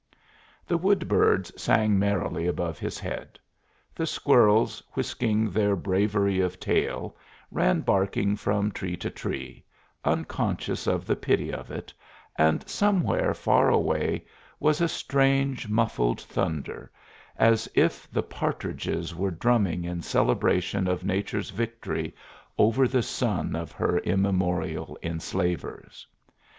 The wood birds sang merrily above his head; the squirrels, whisking their bravery of tail, ran barking from tree to tree, unconscious of the pity of it, and somewhere far away was a strange, muffled thunder, as if the partridges were drumming in celebration of nature's victory over the son of her immemorial enslavers.